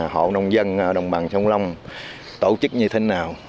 một bốn trăm bốn mươi bốn hộ nông dân ở đồng bằng sông long tổ chức như thế nào